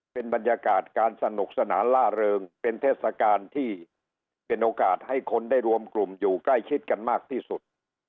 เป็นบรรยากาศการสนุกสนานล่าเริงเป็นเทศกาลที่เป็นโอกาสให้คนได้รวมกลุ่มอยู่ใกล้ชิดกันมากที่สุด